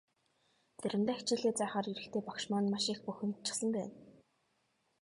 Заримдаа хичээлээ заахаар ирэхдээ багш маань маш их бухимдчихсан байна.